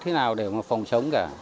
cái nào để mà phòng chống cả